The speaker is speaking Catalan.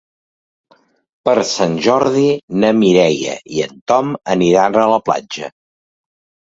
Per Sant Jordi na Mireia i en Tom aniran a la platja.